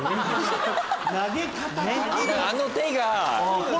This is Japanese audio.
あの手が！